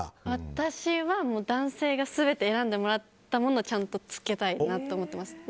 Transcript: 私は男性が全て選んでもらったものをちゃんとつけたいなと思います。